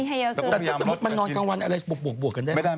ให้เยอะขึ้นแต่ถ้าสมมุติมานอนกลางวันอะไรบวกกันได้มั้ย